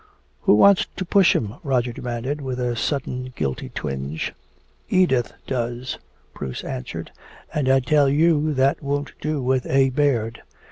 "Who wants to push him?" Roger demanded, with a sudden guilty twinge. "Edith does," Bruce answered. "And I tell you that won't do with A. Baird.